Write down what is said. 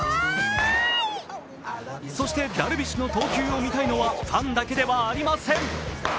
そしてダルビッシュの投球を見たいのはファンだけではありません。